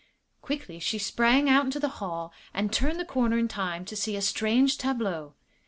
Quickly she sprang out into the hall and turned the corner in time to see a strange tableau.